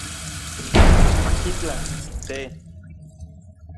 Machitlaj, te